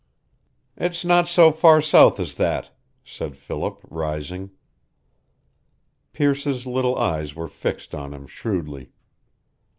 "It's not so far south as that," said Philip, rising. Pearce's little eyes were fixed on him shrewdly.